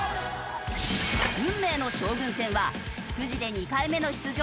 運命の将軍戦はクジで２回目の出場